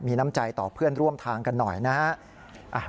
มีน้ำใจต่อเพื่อนร่วมทางกันหน่อยนะฮะ